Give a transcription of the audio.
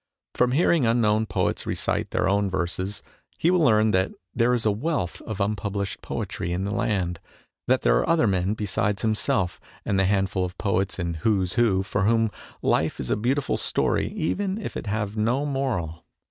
From hearing unknown poets recite their own verses he will learn that there is a wealth of unpublished poetry in the land, that there are other men besides himself and the handful of poets in " Who's Who," for whom life is a beautiful story even if it have no moral.